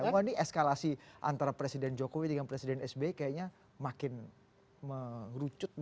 semua ini eskalasi antara presiden jokowi dengan presiden sbi kayaknya makin mengerucut